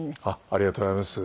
ありがとうございます。